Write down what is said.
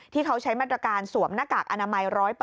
ที่เขาใช้มาตรการสวมหน้ากากอนามัย๑๐๐